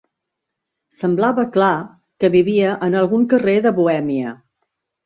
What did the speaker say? Semblava clar que vivia en algun carrer de Bohèmia.